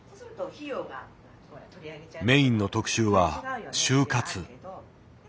メインの特集は「終活」。